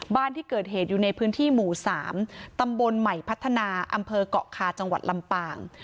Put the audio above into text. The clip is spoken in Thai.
บ้านที่เกิดเหตุอยู่ในพื้นที่หมู่๓ตำบลใหม่พัฒนาอำเภอกเกาะคาจังหวัดลำปาง